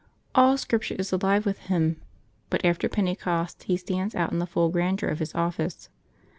All Scripture is alive with him ; but after Pentecost he stands out in the full grandeur of his office.